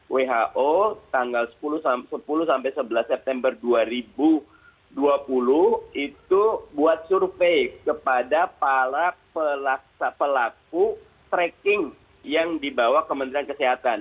who tanggal sepuluh sampai sebelas september dua ribu dua puluh itu buat survei kepada pelaku tracking yang dibawa kementerian kesehatan